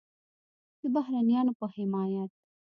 د بهرنیانو په حمایت